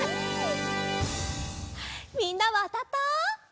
みんなはあたった？